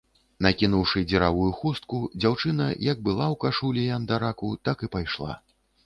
Накінуўшы дзіравую хустку, дзяўчына, як была ў кашулі і андараку, так і пайшла.